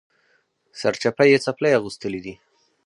سرچپه یې څپلۍ اغوستلي دي